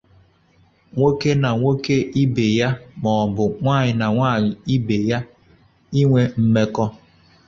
nwoke na nwoke ibe ya maọbụ nwaanyị na nwaanyị ibe ya inwe mmekọ